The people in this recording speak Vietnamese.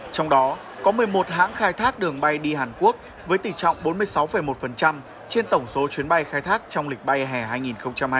trong đó có một mươi một hãng khai thác đường bay đi hàn quốc với tỷ trọng bốn mươi sáu một trên tổng số chuyến bay khai thác trong lịch bay hẻ hai nghìn hai mươi bốn